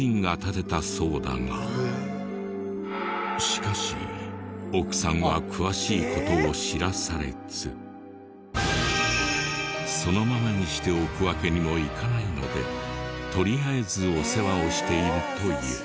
しかし奥さんはそのままにしておくわけにもいかないのでとりあえずお世話をしているという。